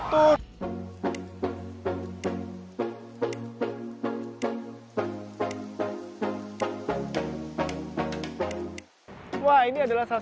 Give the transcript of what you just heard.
nah tuh kropos gimana nggak bikin bahaya perjalan kaki coba lihat tuh ini juga bahaya bolong kayak gini orang bisa jatuh